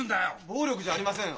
暴力じゃありません。